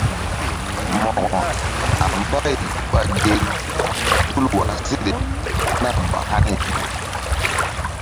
Mo̧ko a mbay ɓa ge tul wah seɗe nah ba hani pi.